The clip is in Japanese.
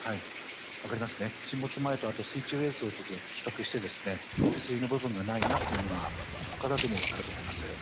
沈没前と水中映像と比較すると手すりの部分がないなというのはここからでも分かると思います。